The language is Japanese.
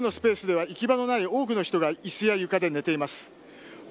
奥のスペースでは行き場のない多くの人が椅子や床で寝ています。